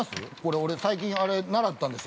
俺、最近習ったんですよ